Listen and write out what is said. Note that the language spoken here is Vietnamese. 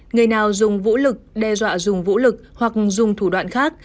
người nào dùng vũ lực đe dọa dùng vũ lực hoặc dùng thủ đoạn khác